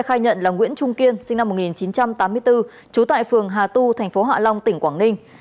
khai nhận là nguyễn trung kiên sinh năm một nghìn chín trăm tám mươi bốn trú tại phường hà tu thành phố hạ long tỉnh quảng ninh